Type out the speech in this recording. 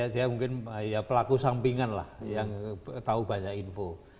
dia mungkin pelaku sampingan lah yang tahu banyak info